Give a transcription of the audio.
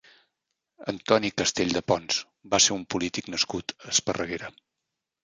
Antoni Castell de Pons va ser un polític nascut a Esparreguera.